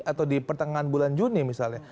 atau di pertengahan bulan juni misalnya